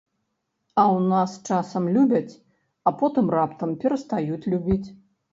А ў нас часам любяць, потым раптам перастаюць любіць.